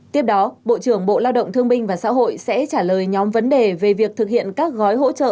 tiếp đó bộ trưởng bộ lao động thương minh và xã hội sẽ trả lời nhóm vấn đề về việc thực hiện các gói hỗ trợ